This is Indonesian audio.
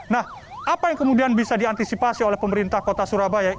nah apa yang kemudian bisa diantisipasi oleh pemerintah kota surabaya